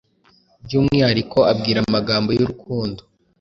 by'umwihariko ambwira amagambo y'urukundo.